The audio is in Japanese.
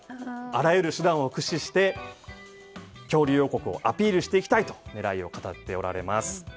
あらゆる手段を駆使して恐竜王国をアピールしていきたいと狙いを語っておられます。